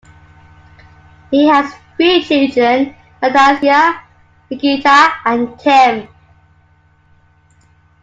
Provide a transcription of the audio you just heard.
He has three children; Anastasia, Nikita and Tim.